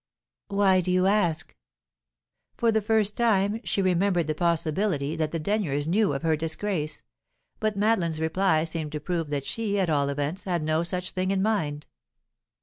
"Why do you ask?" For the first time, she remembered the possibility that the Denyers knew of her disgrace. But Madeline's reply seemed to prove that she, at all events, had no such thing in mind.